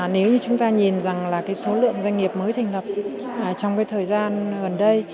nếu như chúng ta nhìn rằng là cái số lượng doanh nghiệp mới thành lập trong cái thời gian gần đây